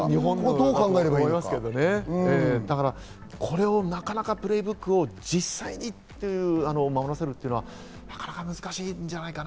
これを、なかなかプレイブックを実際に守らせるというのはなかなか難しいんじゃないかな。